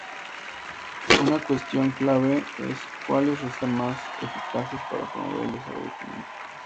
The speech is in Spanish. Una cuestión clave es cuáles resultan más eficaces para promover el desarrollo económico.